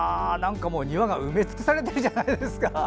庭が埋め尽くされているじゃないですか。